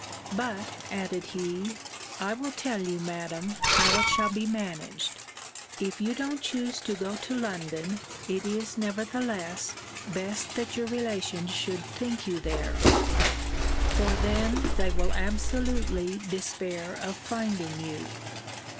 But, added he, I will tell you, Madam, how it shall be managed If you don't choose to go to London, it is, nevertheless, best that your relations should think you there; for then they will absolutely despair of finding you.